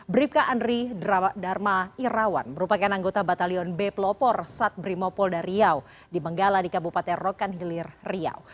bribka andri dharma irawan merupakan anggota batalion b pelopor sat brimopolda riau di menggala di kabupaten rokan hilir riau